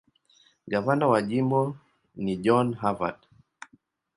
Gavana wa jimbo ni John Harvard.